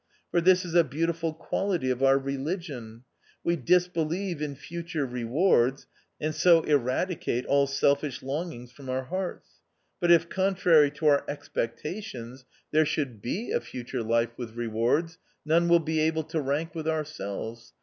For this is a beautiful quality of our religion. We disbelieve in future rewards, and so eradicate all selfish longings from our hearts ; but if, contrary to our expectations, there should be a 262 THE OUTCAST. future life with rewards, none will be able to rank with ourselves.